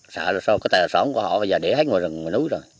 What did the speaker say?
sợ là sao cái tài sản của họ bây giờ để hết ngoài rừng ngoài núi rồi